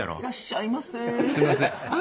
すいません。